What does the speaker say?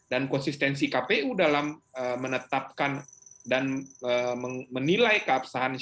dan konsistensi kpu dalam menetapkan dan menilai keapsahan syarat